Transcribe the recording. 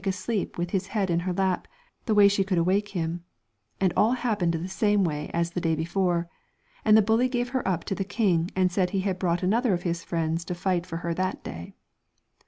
sleep with his head in her lap, the way she could awake him. And all happened the same way as the day before. And the bully gave her up to the king, and said he had brought another of his friends to fight for her that day.